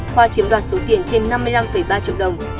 khoa chiếm đoạt số tiền trên năm mươi năm ba triệu đồng